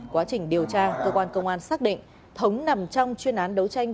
quá trình điều tra cơ quan công an xác định thống nằm trong chuyên án đấu tranh